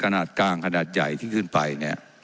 เจ้าหน้าที่ของรัฐมันก็เป็นผู้ใต้มิชชาท่านนมตรี